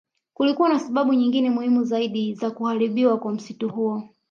Kulikuwa na sababu nyingine muhimu zaidi za kuharibiwa kwa msitu huo